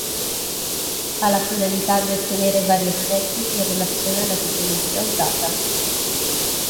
Ha la finalità di ottenere vari effetti in relazione alla tipologia usata.